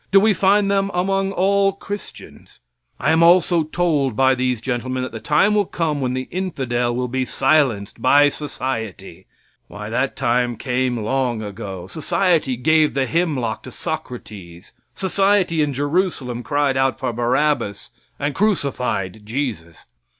Do we find them among all Christians? I am also told by these gentlemen that the time will come when the infidel will be silenced by society. Why that time came long ago. Society gave the hemlock to Socrates, society in Jerusalem cried out for Barabbas and crucified Jesus.